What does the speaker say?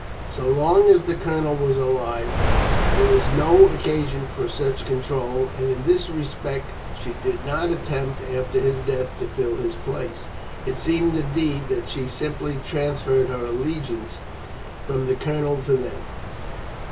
So long as the Colonel was alive there was no occasion for such control, and in this respect she did not attempt after his death to fill his place. It seemed, indeed, that she simply transferred her allegiance from the Colonel to them.